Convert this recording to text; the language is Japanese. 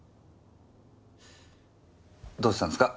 どうしたんすか？